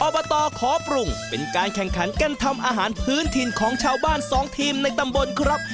ตขอปรุงเป็นการแข่งขันการทำอาหารพื้นถิ่นของชาวบ้านสองทีมในตำบลครับ